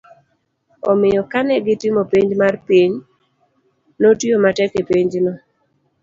omiyo kane gitimo penj mar piny, notiyo matek e penjno